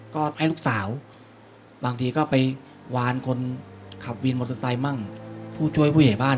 ก็ให้ลูกสาวบางทีก็ไปวานคนขับมั่งผู้ช่วยผู้เหตุบ้าน